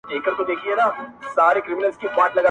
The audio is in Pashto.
له ژرندي زه راځم، د مزد خبري ئې ته کوې.